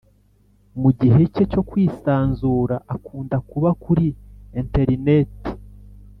mugihe cye cyo kwisanzura, akunda kuba kuri enterineti